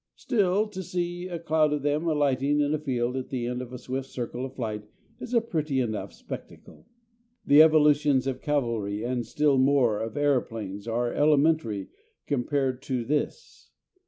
Still, to see a cloud of them alighting in a field at the end of a swift circle of flight is a pretty enough spectacle. The evolutions of cavalry and still more of aeroplanes are elementary compared to this.